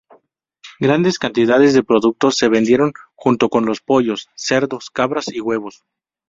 Grandes cantidades de productos se vendieron junto con los pollos, cerdos, cabras y huevos.